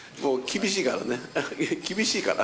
厳しいから。